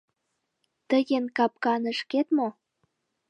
Тыйын капканышкет мо?